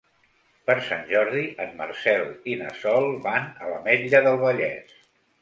Per Sant Jordi en Marcel i na Sol van a l'Ametlla del Vallès.